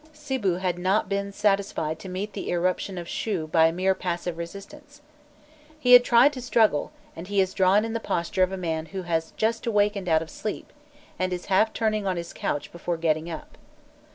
Sibu had not been satisfied to meet the irruption of Shû by mere passive resistance. He had tried to struggle, and he is drawn in the posture of a man who has just awakened out of sleep, and is half turning on his couch before getting up.